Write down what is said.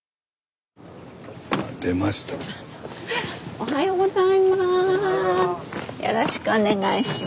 おはようございます。